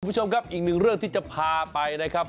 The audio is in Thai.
คุณผู้ชมครับอีกหนึ่งเรื่องที่จะพาไปนะครับ